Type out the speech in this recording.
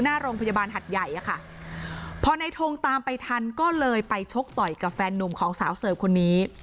หน้าโรงพยาบาลหัดใหญ่อะค่ะพอในทงตามไปทันก็เลยไปชกต่อยกับแฟนนุ่มของสาวเสิร์ฟคนนี้